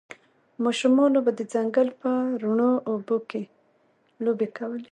ماشومانو به د ځنګل په روڼو اوبو کې لوبې کولې